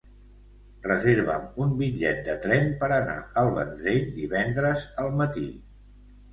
Reserva'm un bitllet de tren per anar al Vendrell divendres al matí.